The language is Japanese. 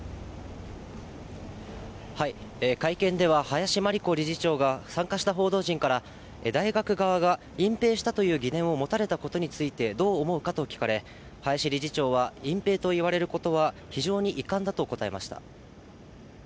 会見では、林真理子理事長が参加した報道陣から、大学側が隠蔽したという疑念を持たれたことについて、どう思うかと聞かれ、林理事長は、隠蔽と言われることは非常に遺憾だと答えました。